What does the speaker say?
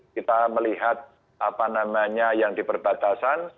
kita melihat apa namanya yang diperbatasan